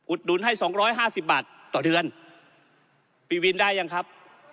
ดุลให้สองร้อยห้าสิบบาทต่อเดือนปีวินได้ยังครับ